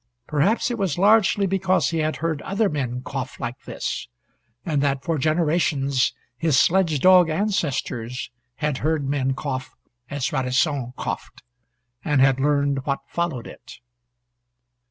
Perhaps it was largely because he had heard other men cough like this, and that for generations his sledge dog ancestors had heard men cough as Radisson coughed and had learned what followed it.